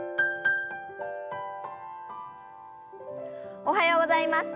おはようございます。